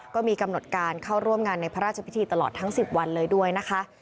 ก็มีกำหนดการเข้าร่วมงานในพระราชพิธีตลอดทั้ง๑๐วันเลยด้วยนะคะ